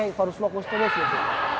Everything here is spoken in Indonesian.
harus lokus terus ya